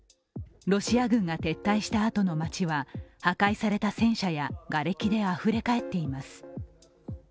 ロシア軍が撤退したあとの街は破壊された戦車やがれきであふれかえっています。